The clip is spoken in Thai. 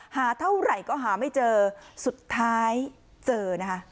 หาเท่าไหร่ก็หาไม่เจอสุดท้ายเจอนะคะ